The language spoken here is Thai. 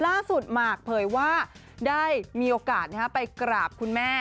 หมากเผยว่าได้มีโอกาสไปกราบคุณแม่